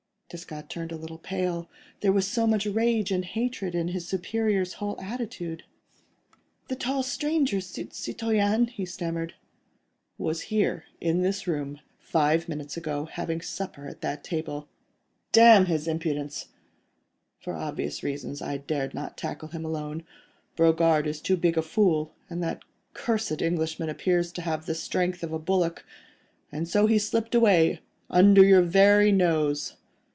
Desgas turned a little pale. There was so much rage and hatred in his superior's whole attitude. "The tall stranger, citoyen—" he stammered. "Was here, in this room, five minutes ago, having supper at that table. Damn his impudence! For obvious reasons, I dared not tackle him alone. Brogard is too big a fool, and that cursed Englishman appears to have the strength of a bullock, and so he slipped away under your very nose."